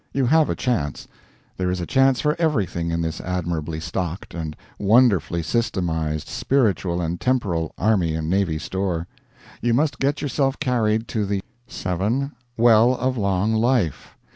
You have a chance. There is a chance for everything in this admirably stocked and wonderfully systemized Spiritual and Temporal Army and Navy Store. You must get yourself carried to the 7. Well of Long Life.